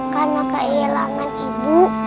karena kehilangan ibu